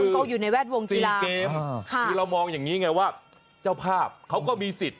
คือมี๔เกมที่เรามองอย่างนี้อย่างนี้ไงว่าเจ้าภาพเขาก็มีสิทธิ์